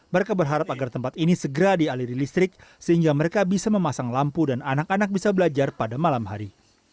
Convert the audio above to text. mereka berharap agar tempat ini segera dialiri listrik sehingga mereka bisa memasang lampu dan anak anak bisa belajar pada malam hari